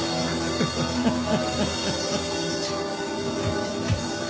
「ハハハハ」